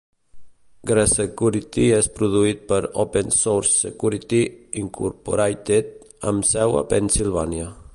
Grsecurity és produït per Open Source Security, Incorporated, amb seu a Pennsylvania.